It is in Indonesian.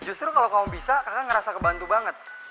justru kalau kamu bisa karena ngerasa kebantu banget